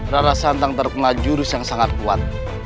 rara santang terkena jurus yang sangat kuat